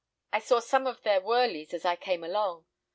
I saw some of their wirlies as I came along.